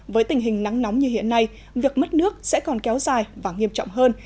với tình hình nắng nóng như hiện nay việc mất nước sẽ còn kéo dài và nghiêm trọng hơn